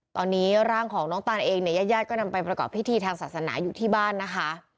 ตอนนี้ร่างของน้องตานเองเนี่ยญาติญาติก็นำไปประกอบพิธีทางศาสนาอยู่ที่บ้านนะคะ